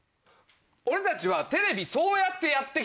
俺たちはテレビそうやってやって来たの。